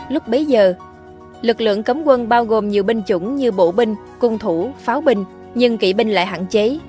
lúc bấy giờ lực lượng cấm quân bao gồm nhiều binh chủng như bộ binh cung thủ pháo binh nhưng kỵ binh lại hạn chế